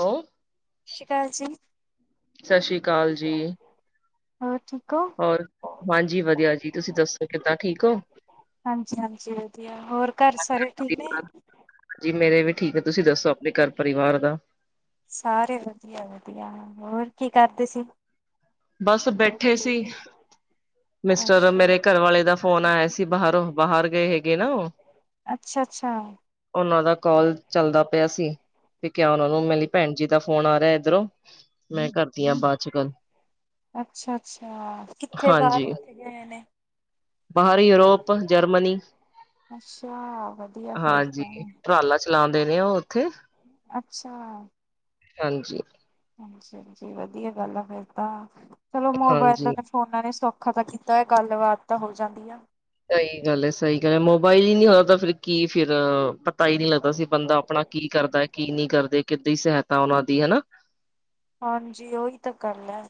ਹੈ [unintelligible] ਸਤਿ ਸ਼੍ਰੀ ਅਕਾਲ ਜੀ ਸਤਿ ਸ਼੍ਰੀ ਅਕਾਲ ਜੀ, ਹੋਰ ਠੀਕ ਹੋ, ਹੋਰ ਹਾਂਜੀ ਵਧੀਆ ਜੀ ਤੁਸੀਂ ਦੱਸੋ ਕਿੱਦਾਂ ਠੀਕ ਹੋ ਹਾਂਜੀ ਹਾਂਜੀ ਵਧੀਆ ਐ, ਹੋਰ ਘਰ ਸਾਰੇ ਠੀਕ ਨੇ, ਹਾਂਜੀ ਮੇਰੇ ਵੀ ਠੀਕ ਹੈ ਤੁਸੀਂ ਦੱਸੋ ਆਪਣੇ ਘਰ ਪਰਿਵਾਰ ਦਾ, ਸਾਰੇ ਵਧੀਆ ਵਧੀਆ ਹੋਰ ਕੀ ਕਰਦੇ ਸੀ, ਬਸ ਬੈਠੇ ਸੀ, ਮਿਸਟਰ ਮੇਰੇ ਅੱਛਾ, ਘਰਵਾਲੇ ਦਾ ਫੋਨ ਆਇਆ ਸੀ, ਬਾਹਰੋਂ ਬਾਹਰ ਗਏ ਹੈਗੇ ਨਾ ਉਹ ਅੱਛਾ ਅੱਛਾ ਉਹਨਾਂ ਦਾ ਕਾਲ ਚੱਲਦਾ ਪਿਆ ਸੀ, ਤੇ ਕਿਆ ਉਹਨਾਂ ਨੂੰ ਮੇਰੀ ਭੈਣ ਜੀ, ਦਾ ਫੋਨ ਆ ਰਿਹਾ ਏਧਰੋਂ, ਮੈਂ ਕਰਦੀ ਹਾਂ ਬਾਅਦ ਚ ਗੱਲ ਅੱਛਾ ਅੱਛਾ ਕਿੱਥੇ ਬਾਹਰ ਹਾਂਜੀ, ਕਿੱਥੇ ਗਏ ਨੇ, ਬਾਹਰ ਯੂਰੋਪ ਜਰਮਨੀ ਅੱਛਾ, ਵਧੀਆ ਫੇਰ ਹਾਂਜੀ, ਤਾਂ, ਰਾਲਾ ਚਲਾਉਂਦੇ ਨੇ ਉਹ ਉੱਥੇ, ਅੱਛਾ ਹਾਂਜੀ ਹਾਂਜੀ ਹਾਂਜੀ ਵਧੀਆ ਗੱਲ ਆ ਫੇਰ ਤਾਂ, ਚਲੋ ਹਾਂਜੀ। ਮੋਬਾਇਲ, ਉਹਨਾਂ ਨੇ ਸੌਖਾ ਤਾਂ ਕੀਤਾ ਹੈ ਗੱਲਬਾਤ ਤਾਂ ਹੋ ਜਾਂਦੀ ਆ, ਸਹੀ ਗੱਲ ਹੈ ਸਹੀ ਗੱਲ ਹੈ ਮੋਬਾਇਲ ਹੀ ਨੀ ਹੋਇ ਤਾਂ ਫਿਰ ਕੀ ਫਿਰ ਪਤਾ ਹੀ ਨਹੀਂ ਲੱਗਦਾ ਸੀ ਬੰਦਾ ਆਪਣਾ ਕੀ ਕਰਦਾ ਕੀ ਨਹੀਂ ਕਰਦੇ, ਕਿੱਦਾਂ ਸਹਾਇਤਾ ਉਹਨਾਂ ਦੀ ਹਨਾ। ਹਾਂਜੀ ਉਓਹੀ ਤਾਂ ਗੱਲ ਹੈ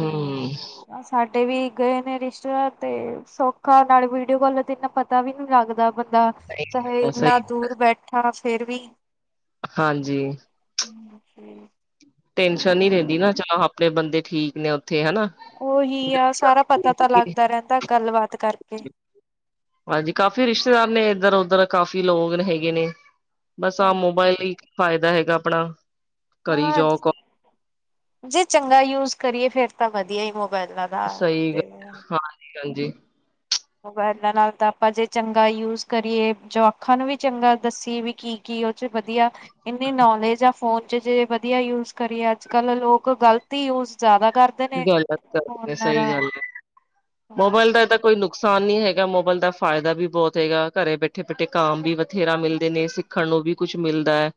ਤੇ ਸਾਡੇ ਵੀ ਗਏ ਨੇ ਰਿਸ਼ਤੇਦਾਰ ਤੇ ਸੌਖਾ ਨਾਲ ਵੀਡੀਓ ਕਾਲ ਤੇ ਇੰਨਾ ਪਤਾ ਵੀ ਨੀ ਲੱਗਦਾ ਬੰਦਾ ਚਾਹੇ ਤਾਂ ਇਨਾ ਸਹੀ ਦੂਰ ਬੈਠਾ ਫਿਰ ਵੀ ਹਾਂਜੀ, ਹਮ ਸੀ [unintelligible] [unintelligible] ਟੈਨਸ਼ਨ ਨੀ ਰਹਿੰਦੀ ਨਾ ਚਲੋ ਆਪਣੇ ਬੰਦੇ ਠੀਕ ਨੇ। ਉੱਥੇ ਹਨਾ ਉਹੀ ਆ ਸਾਰਾ ਪਤਾ ਤਾਂ ਲੱਗਦਾ ਰਹਿੰਦਾ ਗੱਲਬਾਤ ਕਰਕੇ ਹਾਂਜੀ ਕਾਫ਼ੀ ਰਿਸ਼ਤੇਦਾਰ ਨੇ ਇੱਧਰ ਉੱਧਰ ਕਾਫੀ ਲੋਕ ਹੈਗੇ ਨੇ। ਬਸ ਆ ਹਾਂਜੀ ਮੋਬਾਇਲ ਲਈ ਕੀ ਫ਼ਾਇਦਾ ਹੈਗਾ ਆਪਣਾ ਕਰੀ ਹਾਂ ਜਾਓ, ਕੋ ਜੇ ਚੰਗਾ ਯੂਜ ਕਰੀਏ ਫੇਰ ਤਾਂ ਵਧੀਆ ਹੀ ਮੋਬਾਇਲ ਨਾਲ ਸਹੀ ਗੱਲ ਹੈ ਹਾਂਜੀ ਹਾਂਜੀ। ਮੋਬਾਇਲਾਂ ਨਾਲ ਤਾਂ ਆਪਾਂ ਜੇ ਚੰਗਾ ਯੂਜ ਕਰੀਏ ਜੋ ਅੱਖਾਂ ਨੂੰ ਵੀ ਚੰਗਾ ਦੱਸੀਏ ਵੀ ਕੀ ਕੀ ਉਹ ਚ ਵਧੀਆ ਇੰਨੀ ਨੌਲੇਜ ਆ। ਫੋਨ ਚ ਜੇ ਵਧੀਆ ਯੂਜ ਕਰੀਏ ਅੱਜ ਕੱਲ੍ਹ ਲੋਕ ਗ਼ਲਤ ਹੀ ਯੂਜ ਜ਼ਿਆਦਾ ਕਰ ਗਲਤ ਕਰ ਸਹੀ ਗੱਲ ਹੈ ਮੋਬਾਇਲ ਹਾਂਜੀ ਦਾ ਇਹ ਤਾਂ ਕੋਈ ਨੁ ਨੁਕਸਾਨ ਨੀ ਹੈਗਾ ਮੋਬਾਇਲ ਦਾ ਫਾਇਦਾ ਵੀ ਬਹੁਤ ਹੈਗਾ ਘਰੇ ਬੈਠੇ ਬੈਠੇ ਕਮ ਵੀ ਬਥੇਰਾ ਮਿਲਦੇ ਨੇ ਸਿੱਖਣ ਨੂੰ ਵੀ ਕੁੱਛ ਮਿਲਦਾ ਹੈ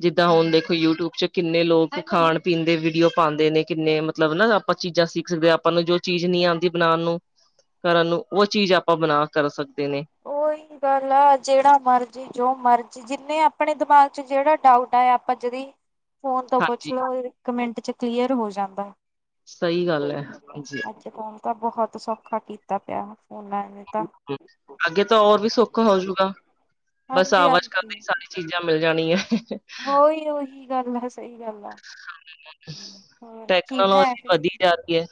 ਜਿੱਦਾਂ ਹੁਣ ਹਮ ਦੇਖੋ ਯੂਟਿਊਬ ਚ ਕਿੰਨੇ ਲੋਕ ਖਾਣ ਪੀਣ ਦੇ ਵੀਡੀਓ ਪਾਉਂਦੇ ਨੇ ਕਿੰਨੇ ਮਤਲਬ ਨਾ ਆਪਾਂ ਚੀਜ਼ਾਂ ਸਿੱਖ ਸਕਦੇ ਹਾਂ ਆਪਾਂ ਨੂੰ ਜੋ ਚੀਜ਼ ਨਹੀਂੀ ਆਉਂਦੀ ਬਣਾਉਣ ਨੂੰ ਘਰਾਂ ਨੂੰ ਉਹ ਚੀਜ਼ ਆਪਾਂ ਬਣਾ ਕਰ ਸਕਦੇ ਨੇ ਉਓਹੀ ਗੱਲ ਆ ਜਿਹੜਾ ਮਰਜ਼ੀ ਜੋ ਮਰਜ਼ੀ ਜਿੰਨੇ ਆਪਣੇ ਦਿਮਾਗ ਚ ਜਿਹੜਾ ਡਾਊਟ ਆਇਆ ਆਪਾਂ ਜਦੀ ਫੋਨ ਤੋਂ ਪੁੱਛ ਹਾਂਜੀ ਲੋ ਇੱਕ ਮਿੰਟ ਚ ਕਲੀਅਰ ਹੋ ਜਾਂਦਾ। ਸਹੀ ਗੱਲ ਹੈ ਹਾਂਜੀ ਅੱਜ ਕੱਲ ਤਾਂ ਬਹੁਤ ਸੌਖਾ ਕੀਤਾ ਪਿਆ ਫੋਨ ਨੇ ਤਾਂ। ਅੱਗੇ ਤਾਂ ਹੋਰ ਵੀ ਸੋਖਾ ਹੋਜੂ ਗਾ ਬਸ ਹਾਂਜੀ ਆਵਾਜ ਹਾਂਜੀ ਕਰਦੇ ਸਾਰੀ ਚੀਜ਼ਾਂ ਮਿਲ ਜਾਣੀਆਂ। ਉਹੀ ਉਹੀ ਗੱਲ ਆ ਸਹੀ ਗੱਲ ਆ। ਹਮ, ਹੋਰ ਕੀ ਬਣਾਇਆ ਟੈਕਨੋਲੋਜੀ ਫਿਰ ਵਧੀ ਜਾਦੀ ਹੈ।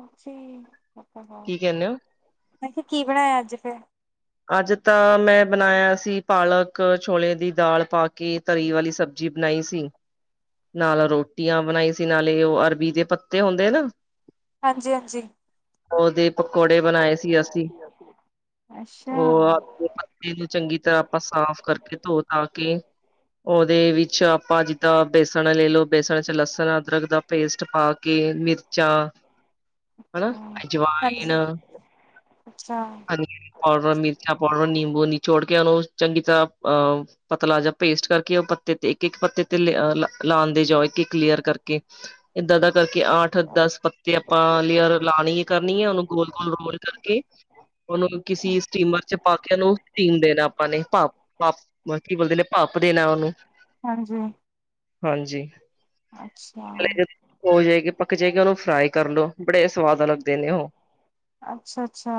ਮੈਂ ਕੀ ਕਹਿੰਦੇ ਹੋ ਕਿਹਾ ਕੀ ਬਣਾਇਆ ਅੱਜ ਫਿਰ ਅੱਜ ਤਾਂ ਮੈਂ ਬਣਾਇਆ ਸੀ ਪਾਲਕ ਛੋਲੇ ਦੀ ਦਾਲ ਪਾ ਕੇ। ਤਰੀ ਵਾਲੀ ਸਬਜ਼ੀ ਬਣਾਈ ਸੀ। ਨਾਲ ਰੋਟੀਆਂ ਬਣਾਈ ਸੀ ਨਾਲੇ ਉਹ ਅਰਬੀ ਦੇ ਪੱਤੇ ਹੁੰਦੇ ਨਾ। ਹਾਂਜੀ ਹਾਂਜੀ ਉਹਦੇ ਪਕੌੜੇ ਬਣਾਏ ਸੀ ਅਸੀਂ। ਅੱਛਾ ਉਹ ਆਪ ਪੱਤੇ ਨੂੰ ਚੰਗੀ ਤਰ੍ਹਾਂ ਆਪਾਂ ਸਾਫ਼ ਕਰਕੇ ਧੋ ਤਾ ਕੇ। ਉਹਦੇ ਵਿੱਚ ਆਪਾਂ ਜਿੱਦਾਂ ਬੇਸਣ ਲੈ ਲਓ ਬੇਸਣ ਚ ਲਸਣ ਅਦਰਕ ਦਾ ਪੇਸਟ ਪਾ ਕੇ ਮਿਰਚਾਂ ਹਨਾ ਹਾਂਜੀ ਅਜਵਾਇਨ ਅੱਛਾ। ਪਾਊਡਰ ਮਿਰਚਾ ਪਾ ਲਉ ਨਿੰਬੂ ਨਿਚੋੜ ਕੇ ਉਹਨੂੰ ਚੰਗੀ ਤਰ੍ਹਾਂ ਅਹ ਪਤਲਾ ਜਿਹਾ ਪੇਸਟ ਕਰਕੇ ਉਹ ਪੱਤੇ ਤੇ ਇੱਕ ਇੱਕ ਪੱਤੇ ਤੇ ਲਾਦੇ ਜਾਓ ਇੱਕ ਇੱਕ ਲੀਅਰ ਕਰਕੇ। ਇਏਦਾਂ ਦਾ ਕਰਕੇ ਆਠ ਦਸ ਪੱਤੇ ਆਪਾਂ ਲੀਅਰ ਲਾਣੀ। ਕਰਨੀ ਹੈ ਉਹਨੂੰ ਗੋਲ ਗੋਲ ਰੋਲ ਕਰਕੇ ਉਹਨੂੰ ਕਿਸੇ ਸਟੀਮਰ ਚ ਪਾ ਕੇ ਉਹਨੂੰ ਸਟੀਮ ਦੇਣਾ ਆਪਾਂ ਨੇ ਪਾਫ ਪਾਫ ਮਲਕੀ ਬੰਦੇ ਨੇ ਭਾਫ ਦੇਣਾ ਉਨੂੰ। ਹਾਂਜੀ। ਹਾਂਜੀ ਅੱਛਾ ਲਾਈ ਜਾਵੇ। ਹੋ ਜੇ ਗੀ ਪੱਕ ਜੇਗੀ ਓਨੂੰ ਫਰਾਈ ਕਾਰ ਲੋ ਬੜੇ ਸਵਾਦ ਲੱਗਦੇ ਨੇ ਓ। ਅੱਛਾ-ਅੱਛਾ।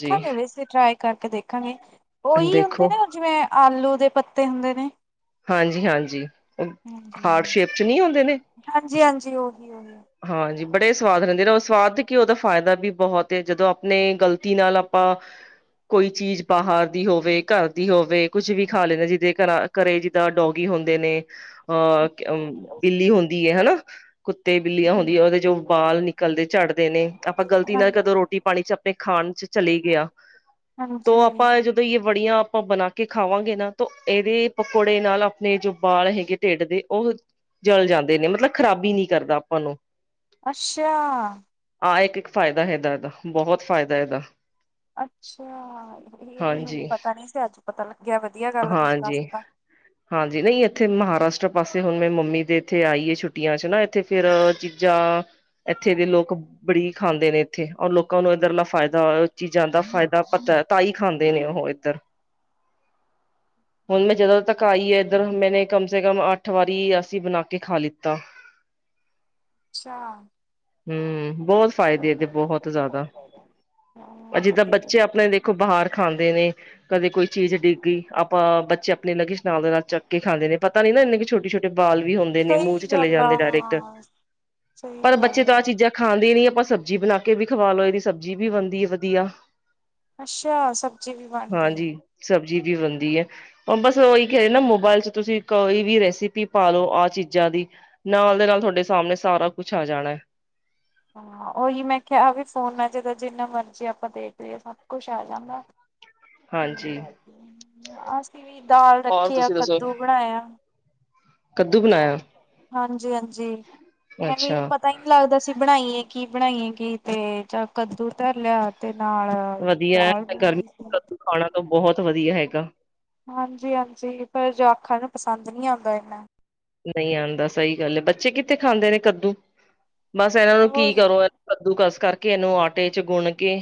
ਜੀ ਵੈਸੇ ਟਰਾਏ ਕਾਰਕੇ ਦੇਖਾਗੇ, ਓਈ ਓਂਦੇ ਦੇਖੋ ਓ ਜਿਵੇ ਆਲੂ ਦੇ ਪੱਤੇ ਹੁੰਦੇ ਨੇ। ਹਾਂਜੀ-ਹਾਂਜੀ। ਉਹ ਹਾਰਟ ਸ਼ੇਪ ਚ ਨੀ ਹੁੰਦੇ ਨੇ ਹਾਂਜੀ-ਹਾਂਜੀ, ਓਹੀ-ਓਹੀ। ਹਾਂਜੀ ਬੜੇ ਸਵਾਦ ਰੈਂਦੇ ਨੇ ਓ ਸਵਾਦ ਤੇ ਕੀ ਓਦਾ ਫਾਇਦਾ ਵੀ ਬੋਹਤ ਏ ਜਦੋ ਅਪਨੇ ਗਲਤੀ ਨਾਲ ਆਪਾ ਕੋਈ ਚੀਜ ਬਾਹਰ ਦੀ ਹੋਵੇ ਘਾੱਰ ਦੀ ਹੋਵੇ ਕੁਛ ਵੀ ਖਾ ਲੈਂਦੇ ਜਿਦੇ ਘਰਾ ਘਰੇ ਜਿੱਦਾ ਡੋਗੀ ਹੋਂਦੇ ਨੇ ਅ ਕ ਬਿੱਲੀ ਹੋਂਦੀ ਏ ਹਨਾ, ਕੁੱਤੇ ਬਿਲੀਆਂ ਹਮ ਹੋਂਦੀਆ ਓਦੇ ਚ ਬਾਲ ਨਿਕਲਦੇ ਚੜਦੇ ਨੇ, ਅਪਾ ਗਲਤੀ ਹਾਂ ਨਾਲ ਕਦੋ ਰੋਟੀ-ਪਾਣੀ ਚ ਅਪਣੇ ਖਾਨ ਚ ਚਲੀ ਗੇਆ, ਤੋ ਹਾਂਜੀ ਆਪਾ ਐ ਜੋ ਤੋ ਏ ਵੜੀਆਂ ਅਪਾਂ ਬਣਾ ਕੇ ਖਾਵਾਂਗੇ ਨਾ ਤੋ ਏਦੇ ਪਕੋੜੇ ਨਾਲ ਆਪਨੇ ਜੋ ਬਾਲ ਹੈਗੇ ਢਿੱਡ ਦੇ ਉਹ ਜਲ ਜਾਂਦੇ ਨੇ ਮਤਲਬ ਖ਼ਰਾਬੀ ਨੀ ਕਰਦਾ ਆਪਾਂ ਨੂੰ ਅੱਸ਼ਾ। ਆਹ ਏਕ ਏਕ ਫਾਇਦਾ ਹੈਦਾ ਐਦਾ ਬਹੋਤ ਫਾਇਦਾ ਐਹਦਾ। ਅੱਛਾ, ਏ ਵੀ ਮੈਨੂੰ ਹਾਂਜੀ ਪਤਾ ਨੀ ਸੀ ਆੱਜ ਪਤਾ ਲੱਗੇਆ ਵਦੀਆ ਗਾੱਲ ਆ ਤੁਸੀ ਦਾੱਸ ਹਾਂਜੀ ਤਾ। ਹਾਂਜੀ ਨਈ ਐਥੇ ਮਹਾਰਾਸ਼ਟਰਾ ਪਾਸੇ ਹੋਨ ਮੈ ਮੰਮੀ ਦੇ ਏਥੇ ਆਈ ਏ ਛੁੱਟੀਆਂ ਚ ਨਾ ਏਥੇ ਫੇਰ ਚਿਜਾ, ਐਥੇ ਦੇ ਲੋਕ ਬੜੀ ਖਾਂਦੇ ਨੇ ਏਥੇ ਓਰ ਲੋਕਾਂ ਨੂੰ ਏਦਰਲਾ ਫਾਇਦਾ ਚੀਜਾਂ ਦਾ ਫਾਇਦਾ ਪਤੈ ਤਾਈ ਖਾਂਦੇ ਨੇ ਓਹ ਏਦਰ। ਹੁਨ ਮੈਂ ਜਦੋ ਤੱਕ ਆਈ ਏਦਰ ਮੈਨੇ ਕੱਮ ਸੇ ਕੱਮ ਅੱਠ ਵਾਰੀ ਅਸੀ ਬਨਾ ਕੇ ਖਾ ਲਿੱਤਾ। ਅੱਛਾ। ਹੂੰ, ਬੋਤ ਫਾਇਦੇ ਇਦੇ ਬੋਹਤ ਜ਼ਆਦਾ। ਅ ਅੱਛਾ ਜਿੱਦਾ ਬੱਚੇ ਵਧੀਆ ਅਪਨੇ ਦੇਖੋ ਬਾਹਰ ਖਾਂਦੇ ਨੇ ਕਦੇ ਕੋਈ ਚੀਜ ਡਿੱਗ ਗਈ ਆਪਾਂ ਬੱਚੇ ਅਪਨੇ ਲਗਿਸ਼ ਨਾਲ ਦੇ ਨਾਲ ਚੱਕ ਕੇ ਖਾਂਦੇ ਨੇ ਪਰ ਤਾ ਨੀ ਨਾ ਇਨੇਕ ਛੋਟ-ਛੋਟੇ ਬਾਲ ਵੀ ਹੋੱਦੇ ਨੇ ਮੂੰ ਸਹੀ ਚ ਚਲੇ ਗੱਲ ਆ ਜਾਂਦੇ [unintelligible] ਹਾਂ, ਸਈ ਗਾੱਲ ਐ। ਖਾਂਦੀ ਨੀ ਆਪਾਂ ਸਬਜੀ ਬਨਾ ਕੇ ਵੀ ਖਵਾ ਲੋ ਐਦੀ ਸਬਜੀ ਵੀ ਬਨਦੀ ਵਦੀਆ। ਅੱਛਾ ਸਬਜੀ ਵੀ ਬਾਣਦੀ ਏ। ਸਬਜੀ ਵੀ ਬਨਦੀ ਏ। ਓ ਬੱਸ ਓਈ ਕੈਰੀ ਨਾ ਮੋਬਾਇਲ ਚ ਤੁਸੀ ਕੋਈ ਵੀ ਰੈਸਪੀ ਪਾਲੋ ਆ ਚੀਜਾ ਦੀ ਨਾਲ ਦੇ ਨਾਲ ਤੁਹਾਡੇ ਸਾਮਨੇ ਸਾਰਾ ਕੁੱਛ ਆ ਜਾਣੈ। ਹਾਂ ਓਹੀ ਮੈਂ ਕਯਾ ਵੇ ਫੋਨਾ ਚ ਜਦੋ ਜਿਨਾ ਮਰਜੀ ਆਪਾ ਦੇਖ ਲਈਏ ਸੱਬ ਕੁਛ ਆ ਜਾਂਦਾ। ਹਾਂਜੀ ਅਸੀਂ ਵੀ ਦਾਲ ਹੋਰ ਰੱਖੀ ਆ, ਤੁਸੀਂ ਦੱਸੋ ਕੱਦੂ ਬਣਾਇਆ ਕੱਦੂ ਬਨਾਯਾ। ਹਾਂਜੀ-ਹਾਂਜੀ, ਮੈਂ ਵੀ ਅੱਛਾ ਪੱ ਤਾ ਈ ਨੀ ਲੱਗਦਾ ਸੀ ਬਣਾਈਏ ਕੀ ਬਣਾਈਏ ਕੀ ਤੇ ਜਾ ਕੱਦੂ ਤਾਰ ਲੇਆ। ਤੇ ਨਾਲ, ਵਧੀਆ ਦਾਲ ਗਰਮੀ ਬਨਾਈ ਸੀ। ਕੱਦੂ ਖਾਣਾ ਤੋ ਬੋਹਤ ਵਦੀਆ ਹੈਗਾ। ਹਾਂਜੀ-ਹਾਂਜੀ ਪਰ ਜਵਾਖਾ ਨੂੰ ਪਸਾਂਦ ਨੀ ਆਂਦਾ ਇਨਾ। ਨਹੀਂ ਆਉਂਦਾ ਸਹੀ ਗੱਲ ਹੈ, ਬੱਚੇ ਕਿੱਥੇ ਖਾਂਦੇ ਨੇ ਕੱਦੂ ਬਸ ਇਹਨਾਂ ਨੂੰ ਕੀ ਹੋਰ ਕਰੋ। ਕੱਦੂਕਾਸ ਕਾਰਕੇ ਐਨੂੰ ਆਟੇ ਚ ਗੋਣ ਕੇ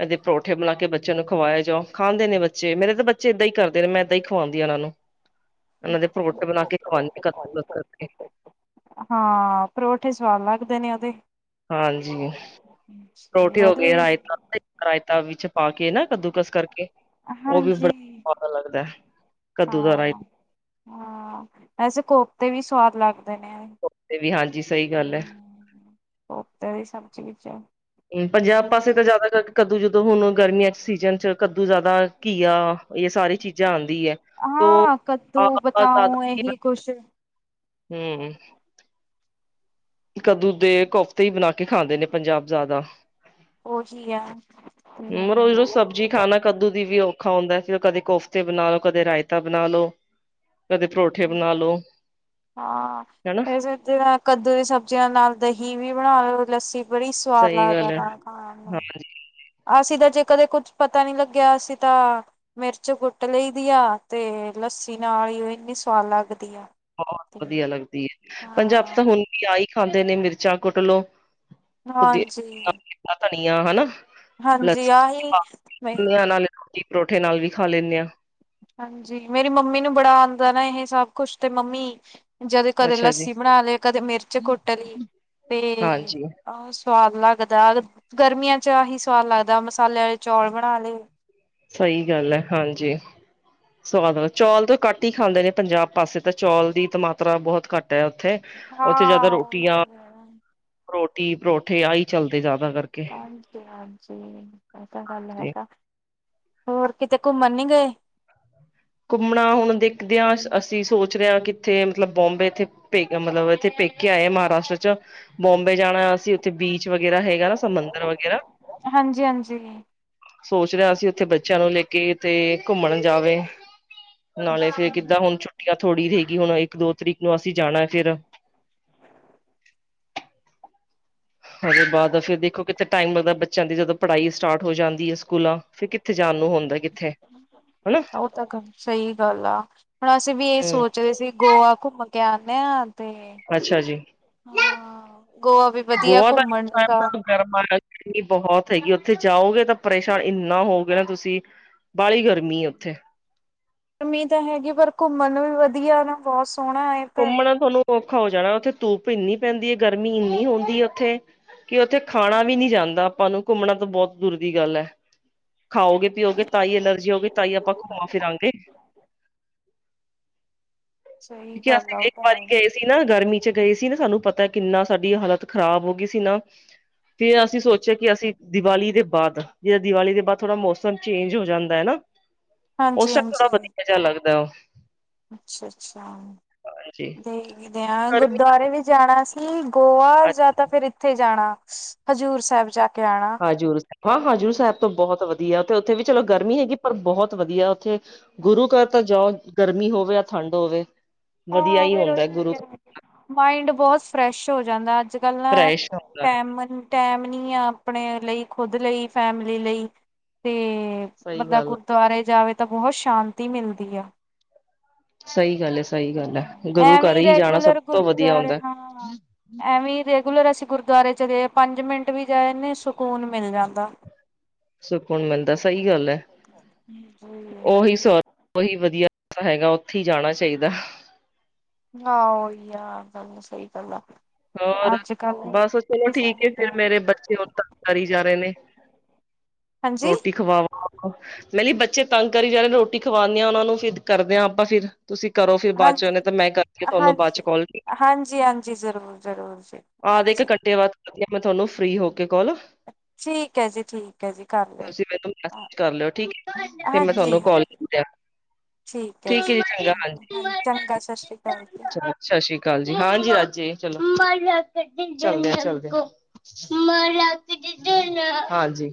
ਇਹਦੇ ਪਰੌਠੇ ਬਣਾ ਕੇ ਬੱਚਿਆਂ ਨੂੰ ਖਵਾਏਆ ਜਾਓ ਖਾਂਦੇ ਨੇ ਬੱਚੇ ਮੇਰੇ ਤਾਂ ਬੱਚੇ ਇਏਦਾਂ ਹੀ ਕਰਦੇ ਨੇ ਮੈਂ ਇੱਦਾਂ ਹੀ ਖੁਵਾਉਂਦੀ ਆ ਇਹਨਾਂ ਨੂੰ ਇਨਾ ਦੇ ਪਰੋਠੇ ਬਨਾ ਕੇ ਕੋਫਤੇ ਖਵਾਨ ਬਣਾ ਹਾਂ ਪਰੋਠੇ ਸਵਾਦ ਲੱਗਦੇ ਨੇ ਐਦੇ। ਹਾਂਜੀ। ਪਰੋਠੇ ਹੋ ਉਹਦੇ ਗਏ ਰਾਇਤਾ-ਰਾਇਤਾ ਵਿੱਚ ਪਾ ਕੇ ਨਾ ਕੱਦੂਕਸ ਕਰਕੇ ਹਾਂਜੀ, ਪਤਾ ਲੱਗਦਾ। ਕੱਦੂ ਦਾ ਹਾਂ-ਹਾਂ ਵੈਸੇ ਕੋਫਤੇ ਵੀ ਸਵਾਦ ਲੱਗਦੇ ਨੇ, ਵੀ ਹਾਂਜੀ ਸਹੀ ਗੱਲ ਐ। ਉਥੇ ਵੀ ਸਮਝ ਵਿੱਚ ਐ ਪੰਜਾਬ ਪਾਸੇ ਤਾਂ ਜ਼ਿਆਦਾ ਕਰਕੇ ਕੱਦੂ, ਜਦੋਂ ਹੁਣ ਗਰਮੀਆਂ ਚ ਸੀਜਨ ਚ ਕੱਦੂ ਜਿਆਦਾ ਘੀਆ ਇਹ ਸਾਰੀ ਚੀਜ਼ਾਂ ਆਦੀ ਐ [unintelligible] ਹਾਂ ਕੱਦੂ ਬਤਾਊ ਇਹੀ ਕੁਛ ਹੂੰ, ਕੱਦੂ ਦੇ ਕੋਫਤੇ ਹੀ ਬਣਾ ਕੇ ਖਾਂਦੇ ਨੇ ਪੰਜਾਬ ਜ਼ਿਆਦਾ ਉਹੀ ਐ ਔ ਜੀ ਖਾਣਾ ਕੱਦੂ ਦੀ ਵੀ ਔਖਾ ਹੁੰਦਾ ਫੇਰ ਉਹ ਕਦੇ ਕੋਫਤੇ ਬਣਾ ਲੋ ਕਦੇ ਰਾਇਤਾ ਬਣਾਲੋ। ਕਦੇ ਪਰੋਠੇ ਬਣਾ ਲੋ ਹਾਂ ਹਨਾ। ਵੈਸੇ ਕੱਦੂ ਦੀ ਸਬਜ਼ੀਆਂ ਨਾਲ ਦਹੀਂ ਵੀ ਬਣਾ ਲਓ ਲੱਸੀ ਬੜੀ ਸਵਾਦ ਸਹੀ ਲੱਗਦਾ ਗੱਲ ਹੈ ਨਾ ਖਾਣ ਨੂੰ ਹਾਂਜੀ ਅਸੀਂ ਤਾਂ ਜੇ ਕਦੇ ਕੁੱਛ ਪਤਾ ਨੀ ਲੱਗਿਆ ਅਸੀਂ ਤਾਂ ਮਿਰਚ ਕੁੱਟ ਲਈ ਦੀ ਐ ਤੇ ਲੱਸੀ ਨਾਲ ਹੀ ਇਨੀ ਸਵਾਦ ਲੱਗਦੀ ਐ। ਬਹੁਤ ਵਧੀਆ ਲੱਗਦੀ ਐ ਪੰਜਾਬ ਤਾਂ ਹੁਣ ਵੀ ਆ ਹੀ ਖਾਂਦੇ ਨੇ ਮਿਰਚਾਂ ਕੁੱਟ ਲੋ ਹਾਂਜੀ ਧਨੀਆ, ਹਨਾ। ਹਾਂਜੀ ਲੱਸੀ ਚ ਆਹੀ, ਪਾ ਨਿਆਂ ਨਾਲ ਰੋਟੀ ਪਰੌਠੇ ਨਾਲ ਵੀ ਖਾ ਲੈਂਨੇ ਆ, ਹਾਂਜੀ ਮੇਰੀ ਮੰਮੀ ਨੂੰ ਬੜਾ ਆਦਾ ਨਾ ਇਹ ਸਭ ਕੁਛ ਤੇ ਮੰਮੀ ਜਦੋਂ ਕਦੇ ਅੱਛਾ ਜੀ ਲੱਸੀ ਬਣਾ ਲਏ ਕਦੇ ਮਿਰਚ ਕੁੱਟ ਲਈ, ਤੇ ਹਾਂਜੀ ਆਹ ਸਵਾਦ ਲੱਗਦਾ, ਗਰਮੀਆਂ ਚ ਆਹੀ ਸਵਾਦ ਲੱਗਦਾ, ਮਸਾਲੇ ਵਾਲੇ ਚੌਲ ਬਣਾ ਲਏ ਸਹੀ ਗੱਲ ਐ ਹਾਂਜੀ। ਸਵਾਦ ਚੌਲ ਤਾ ਘੱਟ ਹੀ ਖਾਂਦੇ ਨੇ ਪੰਜਾਬ ਪਾਸੇ ਤਾਂ ਚੌਲ ਦੀ ਤਾ ਮਾਤਰਾ ਬਹੁਤ ਘੱਟ ਐ ਉੱਥੇ ਉੱਥੇ ਜਿਆਦਾ ਹਾਂ ਉਹੀ ਰੋਟੀਆਂ, ਤਾਂ ਕਹਿਣਾ ਰੋਟੀ ਪਰੋਠੇ ਆਹੀ ਚੱਲਦੇ ਜਿਆਦਾਤਰ ਹਾਂਜੀ-ਹਾਂਜੀ ਐ ਤਾ ਗੱਲ ਤੇ ਹੈਗਾ। ਹੋਰ ਕਿਤੇ ਘੁੰਮਣ ਨੀ ਗਏ? ਘੁੰਮਣਾ ਹੁਣ ਦੇਖਦੇ ਹਾਂ ਅਸੀਂ ਸੋਚ ਰਹੇ ਆ ਕਿੱਥੇ ਮਤਲਬ ਬੋਂਬੇ ਮਤਲਬ ਇੱਥੇ ਪੇਕੇ ਆਏ ਮਹਾਰਾਸ਼ਟਰ ਚ ਬੋਬੇ ਜਾਣਾ ਅਸੀਂ ਉੱਥੇ ਬੀਚ ਵਗੈਰਾ ਹੈਗਾ ਨਾ ਸਮੁੰਦਰ ਵਗੈਰਾ, ਹਾਂਜੀ-ਹਾਂਜੀ, ਸੋਚ ਰਿਹਾ ਅਸੀ ਉੱਥੇ ਬੱਚਿਆਂ ਨੂੰ ਲੈ ਕੇ ਤੇ ਘੁੰਮਣ ਜਾਵੇ। ਨਾਲੇ ਫੇਰ ਕਿੱਦਾਂ ਹੁਣ ਛੁੱਟੀਆਂ ਥੋੜ੍ਹੀ ਰੇਗੀ ਹੁਣ ਇੱਕ ਦੋ ਤਰੀਕ ਨੂੰ ਅਸੀਂ ਜਾਣਾ ਫੇਰ ਉਹਦੇ ਬਾਅਦ ਫੇਰ ਦੇਖੋ ਕਿੱਥੇ ਟਾਈਮ ਲੱਗਦਾ ਬੱਚਿਆਂ ਦੀ ਜਦੋਂ ਪੜ੍ਹਾਈ ਸਟਾਰਟ ਹੋ ਜਾਂਦੀ ਐ ਸਕੂਲਾਂ ਫਿਰ ਕਿੱਥੇ ਜਾਣ ਨੂੰ ਹੁੰਦਾ ਕਿੱਥੇ ਹਨਾ ਉਹ ਤਾਂ ਗੱਲ ਸਹੀ ਗੱਲ ਆ ਹੁਣ ਅਸੀਂ ਵੀ ਇਹ ਹਮ ਸੋਚਦੇ ਸੀ ਗੋਆ ਘੁੰਮਣ ਕੇ ਆਨੇ ਆ, ਤੇ ਅੱਛਾ ਜੀ, ਹਾਂ ਗੋਆ ਵੀ ਵਧੀਆ ਗੋਆ ਦਾ ਘੁੰਮਣ ਨੂੰ ਤਾਂ। ਗਰਮਾ ਬਹੁਤ ਹੈਗੀ ਐ ਉੱਥੇ ਜਾਓਗੇ ਤਾਂ ਪਰੇਸ਼ਾਨ ਇੰਨਾ ਹੋਓਗੇ ਨਾ ਤੁਸੀਂ ਬਾਹਲੀ ਗਰਮੀ ਐ ਉੱਥੇ ਓਮੀਦ ਤਾਂ ਹੈਗੀ ਐ ਪਰ ਘੁੰਮਣ ਵੀ ਵਧੀਆ ਨਾ ਬਹੁਤ ਸੋਹਣਾ ਐ। ਘੁੰਮਣਾ ਤੁਹਾਨੂੰ ਔਖਾ ਹੋ ਜਾਣਾ ਉੱਥੇ ਧੂੱਪ ਇੰਨੀ ਪੈਂਦੀ ਐ ਗਰਮੀ ਇੰਨੀ ਹੁੰਦੀ ਐ ਉੱਥੇ ਕਿ ਉੱਥੇ ਖਾਣਾ ਵੀ ਨੀ ਜਾਂਦਾ ਆਪਾਂ ਨੂੰ ਘੁੰਮਣਾ ਤੋਂ ਬਹੁਤ ਦੂਰ ਦੀ ਗੱਲ ਐ। ਖਾਓਗੇ ਪੀਓਗੇ ਤਾਂ ਹੀ ਐਲਰਜੀ ਹੋਗੀ ਤਾਂ ਹੀ ਆਪਾਂ ਘੁੰਮਾਂ ਫਿਰਾਂਗੇ। ਸਹੀ ਕਿਉਂਕਿ ਗੱਲ ਅਸੀਂ ਆ ਉਹ ਇੱਕ ਤਾਂ ਹੈ। ਵਾਰੀ ਗਏ ਸੀ ਨਾ ਗਰਮੀ ਚ ਗਏ ਸੀ ਨਾ ਸਾਨੂੰ ਪਤਾ ਕਿੰਨਾ ਸਾਡੀ ਹਾਲਤ ਖ਼ਰਾਬ ਹੋ ਗਈ ਸੀ ਨਾ ਫੇਰ ਅਸੀਂ ਸੋਚਿਆ ਕਿ ਅਸੀਂ ਦੀਵਾਲੀ ਦੇ ਬਾਅਦ ਜਿੜ ਦੀਵਾਲੀ ਦੇ ਬਾਅਦ ਥੋੜਾ ਮੌਸਮ ਚੇਂਜ ਹੋ ਜਾਂਦਾ ਹੈ ਨਾ ਉਸ ਟਾਈਮ ਥੋੜਾ ਵਧੀਆ ਜਿਹਾ ਲੱਗਦਾ ਉਹ ਅੱਛਾ ਅੱਛਾ ਹਾਂਜੀ ਤੇ ਕਿਦੇ ਆ ਗਰਮੀ ਗੁਰਦੁਆਰੇ ਵੀ ਜਾਣਾ ਸੀ ਕੀ ਗੋਆ ਜਾਂ ਤਾਂ ਫਿਰ ਇੱਥੇ ਜਾਣਾ ਹਜ਼ੂਰ ਸਾਹਿਬ ਜਾ ਕੇ ਆਉਣਾ ਹਾਜ ਹਾਂ ਹਾਜ਼ੂਰ ਸਾਹਿਬ ਤੋਂ ਬਹੁਤ ਵਧੀਆ ਉਥੇ ਉੱਥੇ ਵੀ ਚਲੋ ਗਰਮੀ ਹੈਗੀ ਪਰ ਬਹੁਤ ਵਧੀਆ ਉੱਥੇ ਗੁਰੂ ਘਰ ਤਾਂ ਜਾਓ ਗਰਮੀ ਹੋਵੇ ਜਾਂ ਠੰਡ ਹੋਵੇ ਵਧੀਆ ਆਹ ਹੀ ਫਿਰ ਹੁੰਦਾ ਉਹੀ ਗੁਰੂ ਘਰ, ਮਾਇੰਡ ਬਹੁਤ ਫਰੈਸ਼ ਹੋ ਜਾਂਦਾ ਅੱਜ ਕੱਲ ਨਾ ਫਰੈਸ਼ ਹੁੰਦਾ ਟੈਮ ਟੈਮ ਨੀ ਆ ਆਪਣੇ ਲਈ ਖੁਦ ਲਈ ਫੈਮਲੀ ਲਈ ਤੇ ਸਹੀ ਬੰਦਾ ਕੁ ਗੱਲ ਗੁਰੂਦੁਆਰੇ ਜਾਵੇ ਤਾਂ ਬਹੁਤ ਸ਼ਾਂਤੀ ਮਿਲਦੀ ਆ ਸਹੀ ਗੱਲ ਹੈ ਸਹੀ ਗੱਲ ਹੈ ਗੁਰੂ ਘਰ ਐਵੇਂ ਹੀ ਜਾਣਾ ਸਭ ਰੈਗੂਲਰ ਤੋਂ ਵਧੀਆ ਗੁਰਦੁਆਰੇ ਹੁੰਦਾ ਹਾਂ ਐਵੇਂ ਰੈਗੂਲਰ ਅਸੀਂ ਗੁਰਦੁਆਰੇ ਚਲੇ ਪੰਜ ਮਿੰਟ ਵੀ ਜਾਨੇ ਸਕੂਨ ਮਿਲ ਜਾਂਦਾ ਸੁੂਨ ਮਿਲਦਾ ਸਹੀ ਗੱਲ ਹੈ ਉਹੀ ਸੋ ਉਹੀ ਵਧੀਆ ਹੈਗਾ ਉੱਥੇ ਹੀ ਜਾਣਾ ਚਾਹੀਦਾ ਹਾਂ ਉਹੀ ਆ ਗੱਲ ਸਹੀ ਗੱਲ ਆ ਹੋਰ ਅੱਜ ਕੱਲ ਬਸ ਚਲੋ ਕਿਸੇ ਠੀਕ ਨੂੰ ਫਰ ਮੇਰੇ ਬੱਚੇ ਹੋਰ ਤ ਕਰੀ ਜਾ ਰਹੇ ਨੇ ਹਾਂਜੀ ਰੋਟੀ ਖਵਾਵਾ ਮੇਰੇ ਬੱਚੇ ਤੰਗ ਕਰੀ ਜਾ ਰੋਟੀ ਖਵਾਉਂਦੇ ਆ ਉਹਨਾ ਨੂੰ ਫਿਰ ਕਰਦੇ ਹਾਂ ਆਪਾਂ ਫਿਰ ਤੁਸੀਂ ਕਰੋ ਫਿਰ ਬਾਅਦ ਹਾਂਜੀ ਚਣੇ ਤਾਂ ਮੈਂ ਕਰਦੀ ਤੁਹਾਨੂੰ ਬਾਅਦ ਚ ਕੌਲ ਹਾਂਜੀ ਹਾਂਜੀ ਜ਼ਰੂਰ ਜ਼ਰੂਰ ਜੀ ਆਦ ਇੱਕ ਹਾਂਜੀ। ਘੰਟੇ ਬਾਅਦ ਕਰ ਮੈਂ ਤੁਹਾਨੂੰ ਫ੍ਰਰੀ ਹੋ ਕੇ ਕੌਲ ਠੀਕ ਐ ਜੀ, ਠੀਕ ਐ ਜੀ ਕਰ ਲਿਓ ਤੁਸੀ ਮੈਨ ਮੈਸਜ ਕਰ ਲਿਓ ਠੀਕ ਫਿਰ ਮੈਂ ਤੁਹਾਨੂੰ ਕਾਲ ਹਾਂਜੀ-ਹਾਂਜੀ। ਠੀਕ ਠੀਕ ਹੈ ਜੀ ਹਾਂਜੀ ਚੰਗਾ ਸਤਿ ਸ੍ਰੀ ਅਕਾਲ ਜੀ ਚਲੋ ਸਤਿ ਸ੍ਰੀ ਅਕਾਲ ਜੀ ਹਾਂਜੀ ਚਲਦੇ ਚਲਦੇ ਮੈਂ ਰਾਤੀ ਹਾਂਜੀ